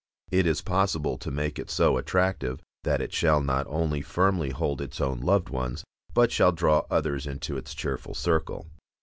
It is possible to make it so attractive that it shall not only firmly hold its own loved ones, but shall draw others into its cheerful circle.